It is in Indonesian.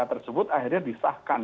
tersebut akhirnya disahkan